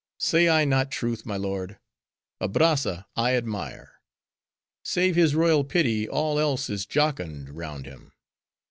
"Say I not truth, my lord? Abrazza, I admire. Save his royal pity all else is jocund round him.